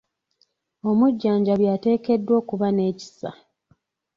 Omujjanjabi ateekeddwa okuba n'ekisa.